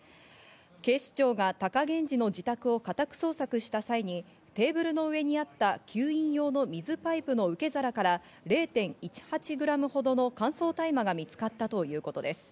警視庁が貴源治の自宅を家宅捜索した際にテーブルの上にあった吸引用の水パイプの受け皿から０．１８ｇほどの乾燥大麻が見つかったということです。